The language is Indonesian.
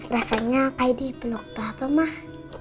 rasanya kayak di peluk bapak mas